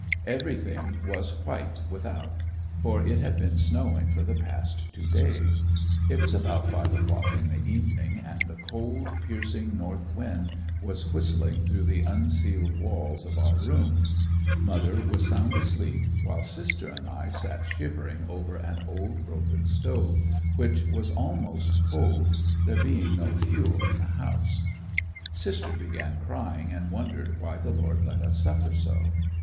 Everything was white without, for it had been snowing for the past two days. It was about five o'clock in the evening and the cold piercing north wind was whistling through the unceiled walls of our room. Mother was sound asleep, while sister and I sat shivering over an old, broken stove, which was almost cold, there being no fuel in the house. Sister began crying and wondered why the Lord let us suffer so?